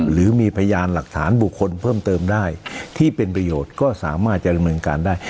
หรือมีพยานหลักฐานบุคคลเพิ่มเติมได้ที่เป็นประโยชน์ก็สามารถจะดำเนินการได้